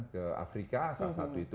ke afrika salah satu itu